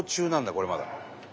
これまだ。